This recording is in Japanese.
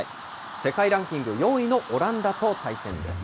世界ランキング４位のオランダと対戦です。